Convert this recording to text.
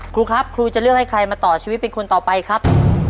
ครูครับครูจะเลือกให้ใครมาต่อชีวิตเป็นคนต่อไปครับ